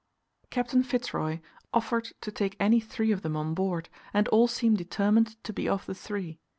Captain Fitz Roy offered to take any three of them on board, and all seemed determined to be of the three.